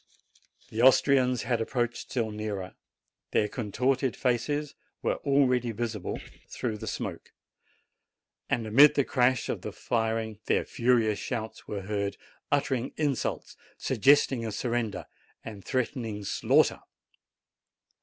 The Austrians had approached still nearer: their contorted faces were already visible through the smoke; and amid the crash of the firing their furious shouts were heard, uttering insults, suggesting a sur render, and threatening slaughter.